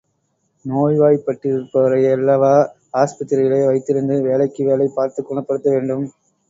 நோய்வாய்ப்பட்டிருப்பவரையல்லவா ஆஸ்பத்திரியிலே வைத்திருந்து வேளைக்கு வேளை பார்த்துக் குணப்படுத்த வேண்டும்.